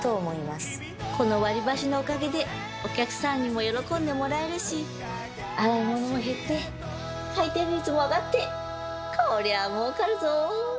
この割り箸のおかげでお客さんにも喜んでもらえるし洗い物も減って回転率も上がってこりゃもうかるぞ！